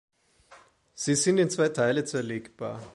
Sie ist in zwei Teile zerlegbar.